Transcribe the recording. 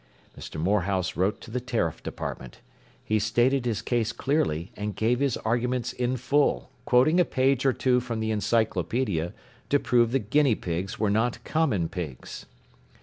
” Mr. Morehouse wrote to the Tariff Department. He stated his case clearly, and gave his arguments in full, quoting a page or two from the encyclopedia to prove that guinea pigs were not common pigs.